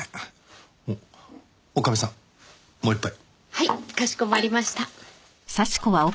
はいかしこまりました。